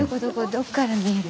どっから見える？